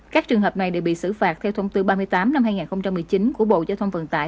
các trường hợp này đều bị xử phạt theo thông tư ba mươi tám năm hai nghìn một mươi chín của bộ giao thông vận tải